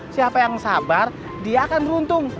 siapa yang sabar dia akan beruntung